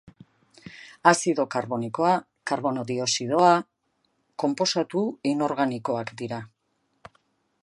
Azido karbonikoa, karbono dioxidoa... konposatu inorganikoak dira.